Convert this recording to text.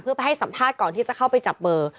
เพื่อไปให้สัมภาษณ์ก่อนที่จะเข้าไปจับเบอร์